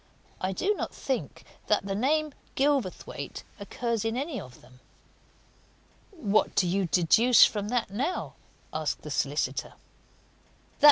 I do not think that name, Gilverthwaite, occurs in any of them." "What do you deduce from that, now?" asked the solicitor.